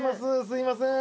すいません」